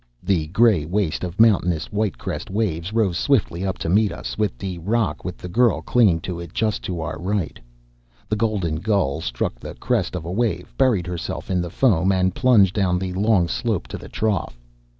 The gray waste of mountainous, white crested waves rose swiftly up to meet us, with the rock with the girl clinging to it just to our right. The Golden Gull struck the crest of a wave, buried herself in the foam, and plunged down the long slope to the trough.